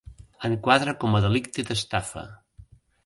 Enquadra com a delicte d'estafa.